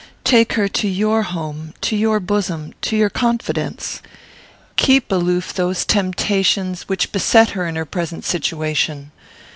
Take her to your home; to your bosom; to your confidence. Keep aloof those temptations which beset her in her present situation.